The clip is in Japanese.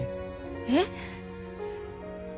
えっ？